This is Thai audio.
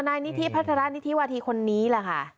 นายนิทธิพัฒนาราชนิทธิวาธิคนนี้ล่ะค่ะ